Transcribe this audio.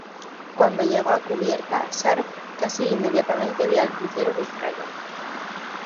Cuando llegó a cubierta, Sharp casi inmediatamente vio al crucero "Vizcaya".